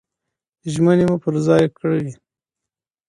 ژمني مو پر ځای کړئ.